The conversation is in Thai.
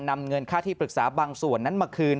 นำเงินค่าที่ปรึกษาบางส่วนนั้นมาคืน